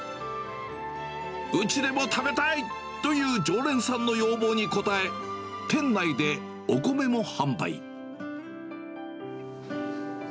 うちでも食べたい！という常連さんの要望に応え、店内でお米も販売。